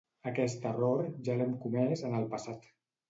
Aquest error ja l'hem comès en el passat.